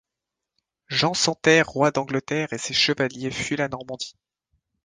Jean sans Terre roi d'Angleterre et ses chevaliers fuient la Normandie.